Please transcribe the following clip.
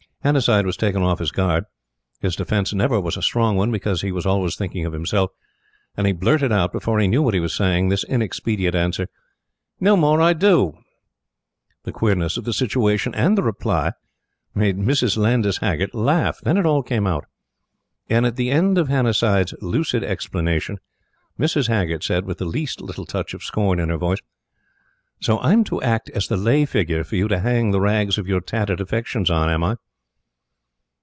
Hannasyde was taken off his guard. His defence never was a strong one, because he was always thinking of himself, and he blurted out, before he knew what he was saying, this inexpedient answer: "No more I do." The queerness of the situation and the reply, made Mrs. Landys Haggert laugh. Then it all came out; and at the end of Hannasyde's lucid explanation, Mrs. Haggert said, with the least little touch of scorn in her voice: "So I'm to act as the lay figure for you to hang the rags of your tattered affections on, am I?"